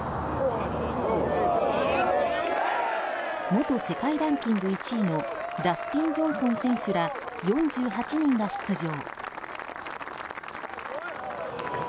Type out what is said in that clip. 元世界ランキング１位のダスティン・ジョンソン選手ら４８人が出場。